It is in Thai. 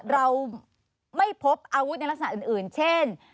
เราไม่พบอาวุธในลักษณะอื่นเช่น